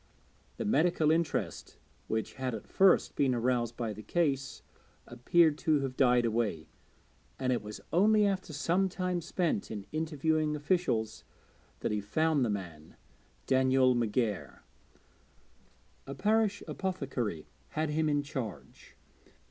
The medical interest which had at first been aroused by the case appeared to have died away; and it was only after some time spent in interviewing officials that he at last found the man, Daniel McGair. A parish apothecary had him in charge.